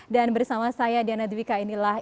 dan bersama saya diana dwi kainilah